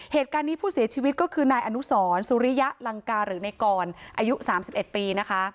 เหตุการณ์นี้ผู้เสียชีวิตก็คือนายอนุสรสุริยะลังกาหรือในกรอายุ๓๑ปีนะคะ